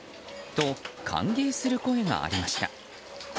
と、歓迎する声がありました。